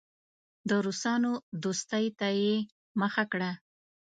د روسانو دوستۍ ته یې مخه کړه.